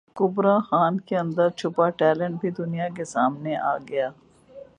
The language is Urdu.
کبری خان کے اندر چھپا یہ ٹیلنٹ بھی دنیا کے سامنے گیا